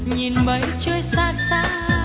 nhìn mây trôi xa xa